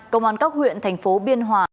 công an các huyện thành phố biên hòa